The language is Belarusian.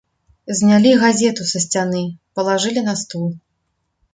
Знялі газету са сцяны, палажылі на стол.